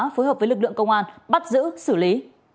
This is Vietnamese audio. phối hợp với lực lượng công an bắt giữ xử lý